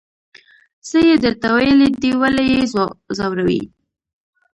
څه یې درته ویلي دي ولې یې ځوروئ.